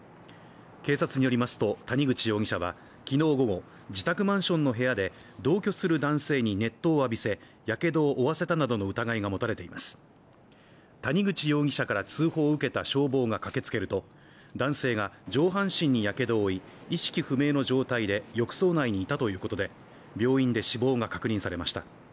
警察によりますと、谷口容疑者はきのう午後、自宅マンションの部屋で、同居する男性に熱湯を浴びせやけどを負わせたなどの疑いが持たれています谷口容疑者から通報を受けた消防が駆けつけると、男性が上半身にやけどを負い、意識不明の状態で浴槽内にいたということで、病院で死亡が確認されました。